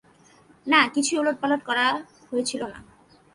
না, কিছুই ওলট-পালট করা হয়েছিল না।